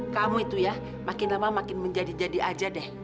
kamu itu ya makin lama makin menjadi jadi aja deh